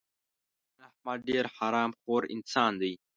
احمد ډېر حرام خور انسان دی.